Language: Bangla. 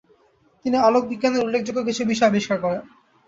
তিনি আলোকবিজ্ঞানের উল্লেখযোগ্য কিছু বিষয় আবিষ্কার করেন।